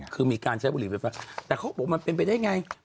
คือมีการใช้บุหรี่ไฟฟ้าแต่เขาก็บอกว่ามันเป็นไปได้ไง